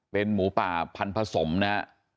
เป็นหมูป่าพันผสมนะครับ